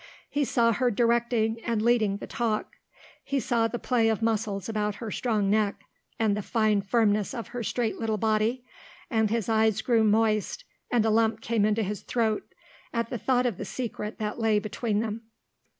He saw her directing and leading the talk; he saw the play of muscles about her strong neck and the fine firmness of her straight little body, and his eyes grew moist and a lump came into his throat at the thought of the secret that lay between them.